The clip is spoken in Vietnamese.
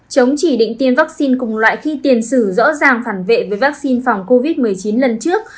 chống chỉ định tiêm vaccine cùng loại khi tiền sử rõ ràng phản vệ với vaccine phòng covid một mươi chín lần trước